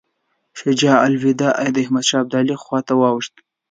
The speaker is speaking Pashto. شجاع الدوله د احمدشاه ابدالي خواته واوښت.